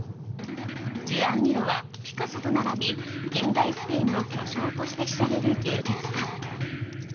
ジュアン・ミロはピカソと並び現代スペインの巨匠として知られる芸術家。